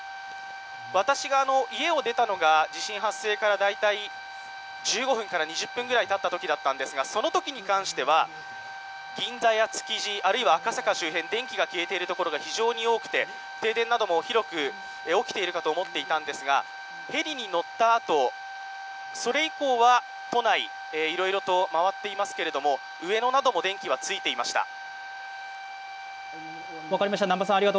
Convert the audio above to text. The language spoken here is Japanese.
私が家を出たのが地震発生から１５分から２０分ぐらいたったときだったんてがそのときに関しては銀座や築地、あるいは赤坂周辺、電気が消えているところが非常に多くて、停電なども広く起きているかと思ったんですが、ヘリに乗ったあと、それ以降は都内いろいろと回っていますけれども、上野なども電気はついていました。